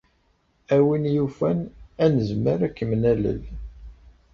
A win yufan, ad nezmer ad kem-nalel.